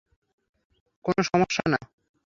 কোনো সমস্যা না।